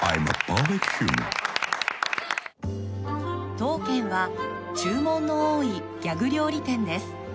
［当軒は注文の多いギャグ料理店です］